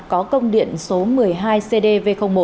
có công điện số một mươi hai cdv một